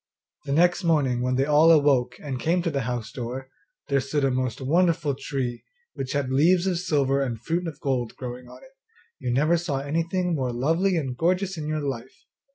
The next morning when they all awoke and came to the house door, there stood a most wonderful tree, which had leaves of silver and fruit of gold growing on it you never saw anything more lovely and gorgeous in your life!